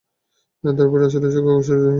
তারপর রাসূলের চক্ষু অশ্রুসজল হয়ে উঠল।